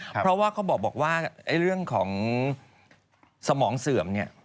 เพราะว่าเขาบอกว่าเรื่องของสมองเสื่อมเนี่ย